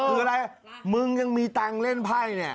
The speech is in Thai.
คืออะไรมึงยังมีตังค์เล่นไพ่เนี่ย